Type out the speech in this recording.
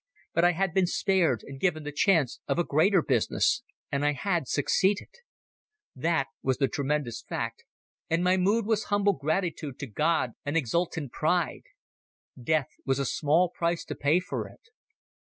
But I had been spared, and given the chance of a greater business, and I had succeeded. That was the tremendous fact, and my mood was humble gratitude to God and exultant pride. Death was a small price to pay for it.